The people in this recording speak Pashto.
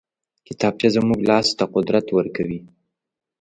کتابچه زموږ لاس ته قدرت ورکوي